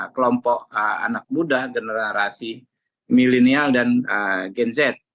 kelompok anak muda generasi milenial dan gen z